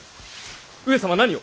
上様何を！